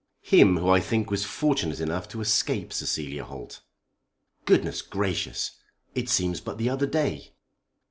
"Him who I think was fortunate enough to escape Cecilia Holt." "Goodness gracious! It seems but the other day."